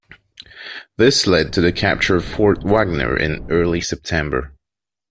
This led to the capture of Fort Wagner in early September.